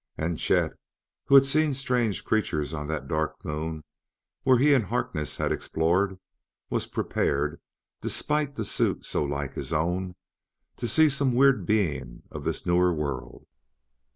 And Chet, who had seen strange creatures on that Dark Moon where he and Harkness had explored, was prepared, despite the suit so like his own, to see some weird being of this newer world.